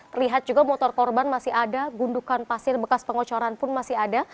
terlihat juga motor korban masih ada gundukan pasir bekas pengocoran pun masih ada